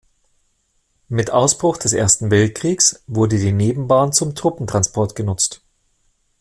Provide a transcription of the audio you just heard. Mit Ausbruch des Ersten Weltkriegs wurde die Nebenbahn zum Truppentransport genutzt.